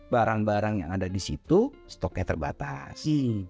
barang barang yang ada di situ stoknya terbatas